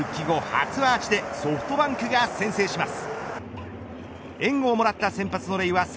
初アーチでソフトバンクが先制します。